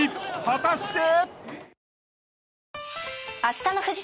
果たして！？］